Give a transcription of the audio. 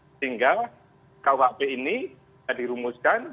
sehingga kwp ini bisa dirumuskan